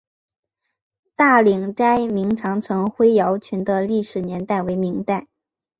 大岭寨明长城灰窑群的历史年代为明代。